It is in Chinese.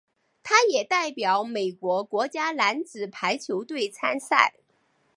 他也代表美国国家男子排球队参赛。